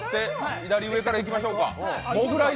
左上からいきましょうか。